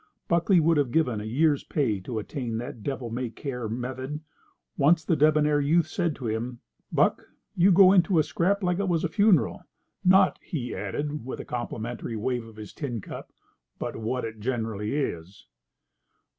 Buckley would have given a year's pay to attain that devil may care method. Once the debonair youth said to him: "Buck, you go into a scrap like it was a funeral. Not," he added, with a complimentary wave of his tin cup, "but what it generally is."